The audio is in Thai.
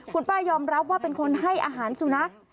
คุณป้ายอมรับว่าเป็นคนให้อาหารสุนัข